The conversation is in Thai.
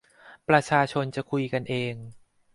ประชาชนจะคุยกันเอง